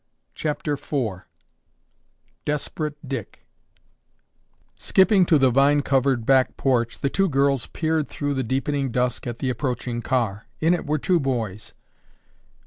CHAPTER IV "DESPERATE DICK" Skipping to the vine covered back porch, the two girls peered through the deepening dusk at the approaching car. In it were two boys.